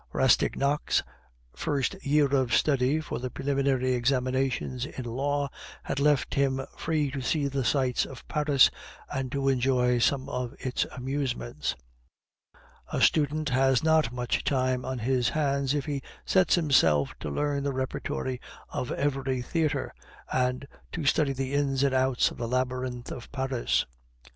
Rastignac's first year of study for the preliminary examinations in law had left him free to see the sights of Paris and to enjoy some of its amusements. A student has not much time on his hands if he sets himself to learn the repertory of every theatre, and to study the ins and outs of the labyrinth of Paris.